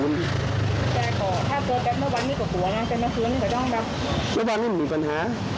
เมื่อวันนี้มีปัญหา